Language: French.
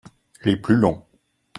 Les plus longs.